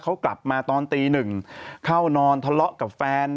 เขากลับมาตอนตีหนึ่งเข้านอนทะเลาะกับแฟน